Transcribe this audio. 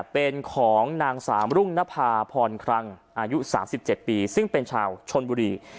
เป็นของนางสามรุ่งนภาพรครังอายุ๓๗ปีซึ่งเป็นชาวชนบุรี